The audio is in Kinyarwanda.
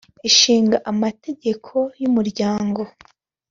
Ishinga Amategeko y Umuryango